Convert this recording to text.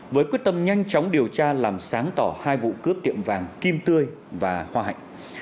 với quyết tâm nhanh chóng điều tra làm sáng tỏ hai vụ cướp tiệm vàng kim tươi và hoa hạnh